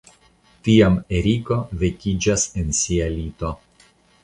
Tiam Eriko vekiĝas en sia lito.